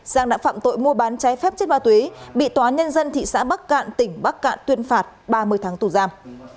giang đã phạm tội mua bán trái phép chất ma túy bị tòa nhân dân thị xã bắc cạn tỉnh bắc cạn tuyên phạt ba mươi tháng tù giam